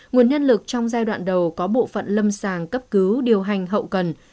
nguồn nhân lực trong giai đoạn đầu có bộ phận lâm sàng cấp cứu điều hành hậu cần